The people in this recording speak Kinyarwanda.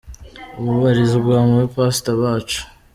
Ubu abarizwa mu ba Pastor bacu.